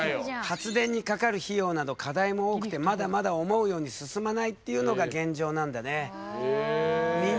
発電にかかる費用など課題も多くてまだまだ思うように進まないっていうのが現状なんだね。